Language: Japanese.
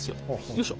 よいしょ。